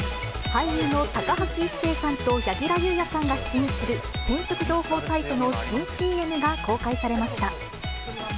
俳優の高橋一生さんと柳楽優弥さんが出演する転職情報サイトの新ＣＭが公開されました。